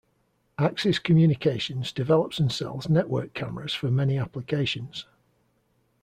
Axis Communications develops and sells network cameras for many applications.